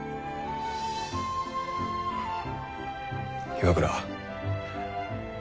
岩倉。